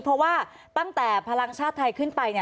เพราะว่าตั้งแต่พลังชาติไทยขึ้นไป